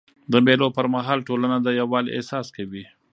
د مېلو پر مهال ټولنه د یووالي احساس کوي.